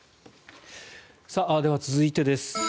では続いてです。